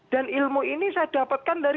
dan ilmu ini saya dapatkan dari